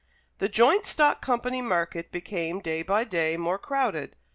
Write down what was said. The joint stock company market became day by day more crowded.